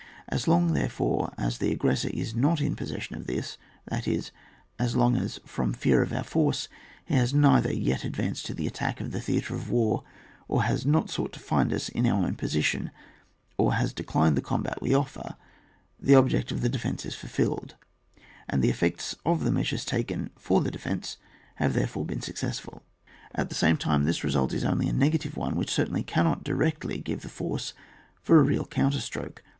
As long, therefore, as the aggres sor is not in possession of this, that is, as long as from, fear of our force he has either not yet advanced to the attack of the theatre of war, or has not sought to find us in our position, or has declined the combat we offer, the object of the defence is fulfilled, and the effects of the measures taken for the defensive have therefore been successful. At the same time this result is only a negative one, which certainly cannot directly give the force for a real counterstroke.